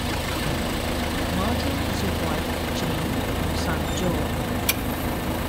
Martin has a wife, Jayne and a son, Joe.